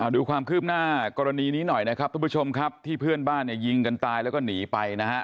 ดูความคืบหน้ากรณีนี้หน่อยนะครับทุกผู้ชมครับที่เพื่อนบ้านเนี่ยยิงกันตายแล้วก็หนีไปนะฮะ